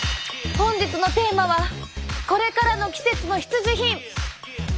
本日のテーマはこれからの季節の必需品。